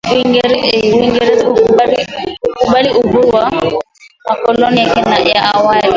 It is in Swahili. Uingereza ukakubali uhuru wa makoloni yake ya awali